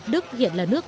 đức hiện là nước